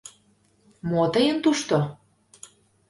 — Мо тыйын тушто?..